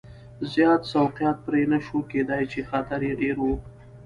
زیات سوقیات پرې نه شوای کېدای چې خطر یې ډېر و.